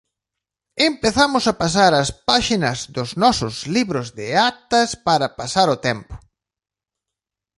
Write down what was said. Empezamos a pasar as páxinas dos nosos libros de actas para pasar o tempo.